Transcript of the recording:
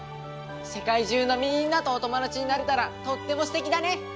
世界中のみんなとお友達になれたらとってもすてきだね！